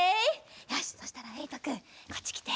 よしそしたらえいとくんこっちきて。